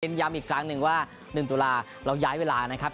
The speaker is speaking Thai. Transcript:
ย้ำอีกครั้งหนึ่งว่า๑ตุลาเราย้ายเวลานะครับ